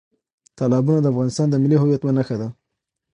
تالابونه د افغانستان د ملي هویت یوه نښه ده.